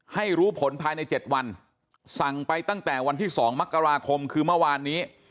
ให้รู้ผลภายใน๗วันสั่งไปตั้งแต่วันที่๒มกราคมคือเมื่อวานนี้